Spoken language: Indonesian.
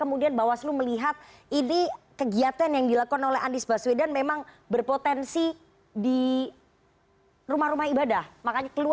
makanya keluar surat edaran itu